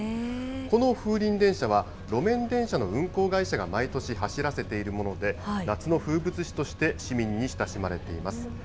この風鈴電車は、路面電車の運行会社が毎年走らせているもので、夏の風物詩として市民に親しまれています。